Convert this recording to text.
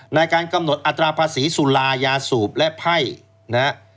ในการกำหนดอัตราภาษีสุรายาสูบและไพ่นะฮะ